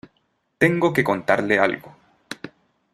tengo que contarle algo.